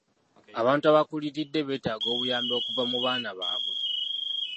Abantu abakuliridde beetaaga obuyambi okuva mu baana baabwe.